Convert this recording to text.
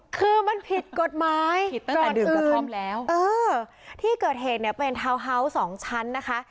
คือมันผิดกฎหมายก่อนอื่นเออที่เกิดเหตุเนี่ยเป็นทาวน์ฮาวส์๒ชั้นนะคะ